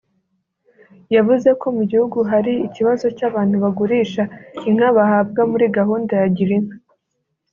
yavuze ko mu gihugu hari ikibazo cy’abantu bagurisha inka bahabwa muri gahunda ya Girinka